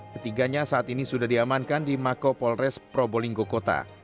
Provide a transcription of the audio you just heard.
ketiganya saat ini sudah diamankan di mako polres probolinggo kota